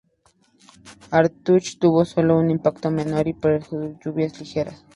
Arthur tuvo sólo un impacto menor, y produjo lluvias ligeras.